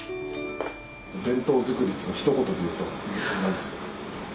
弁当作りっていうのをひと言で言うと何ですか？